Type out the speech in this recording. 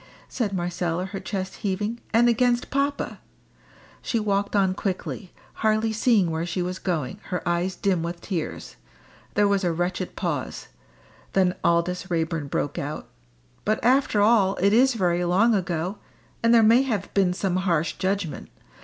said Marcella, her chest heaving; "and against papa." She walked on quickly, hardly seeing where she was going, her eyes dim with tears. There was a wretched pause. Then Aldous Raeburn broke out "But after all it is very long ago. And there may have been some harsh judgment.